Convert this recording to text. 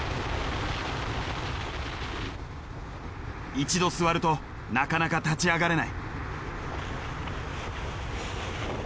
一度座るとなかなか立ち上がれない。